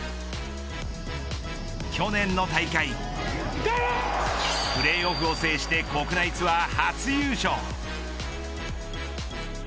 去年の大会プレーオフを制して国内ツアー初優勝。